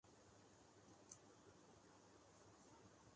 اس ملک کے نارمل حالات۔